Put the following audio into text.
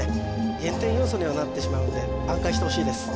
減点要素にはなってしまうんで挽回してほしいです